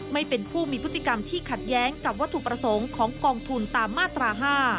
ไม่เป็นผู้มีพฤติกรรมที่ขัดแย้งกับวัตถุประสงค์ของกองทุนตามมาตรา๕